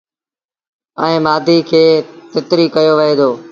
ائيٚݩ مآڌيٚ کي تتريٚ ڪيو وهي دو۔